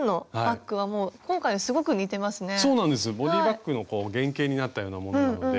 ボディーバッグの原型になったようなものなので。